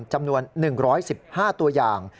จำนวน๑๑๕ตัวอย่าง